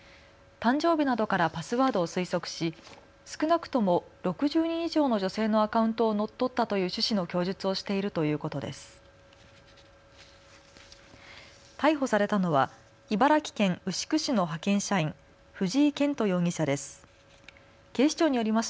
誕生日などからパスワードを推測し少なくとも６０人以上の女性のアカウントを乗っ取ったという趣旨の供述をしているということです。